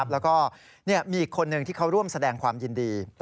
แล้วก็มีอีกคนนึงที่เขาร่วมแสดงความยินดี